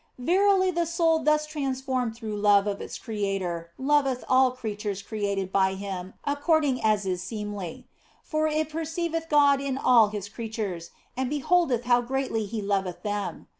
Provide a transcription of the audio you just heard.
Verily the soul thus transformed through love of its Creator loveth all creatures created by Him according as is seemly ; for it perceiveth God in all His creatures, and beholdeth how greatly He loveth them.